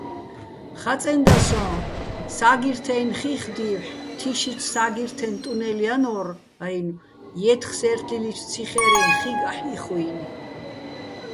ხაწენდა სოჼ სა́გირთაჲნ ხიხდი́ვჰ̦ თიშიჩო̆ სა́გირთეჼ ტუნელ ჲანორ-აჲნო̆, ჲეთხსე́რთლილიჩო̆ ციხერეჼ ხიგო̆ აჰ̦ო̆ იხუჲნი̆.